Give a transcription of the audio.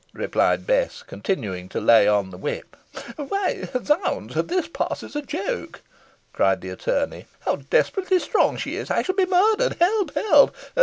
replied Bess, continuing to lay on the whip. "Why, zounds! this passes a joke," cried the attorney. "How desperately strong she is! I shall be murdered! Help! help!